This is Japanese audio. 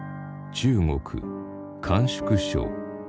中国甘粛省。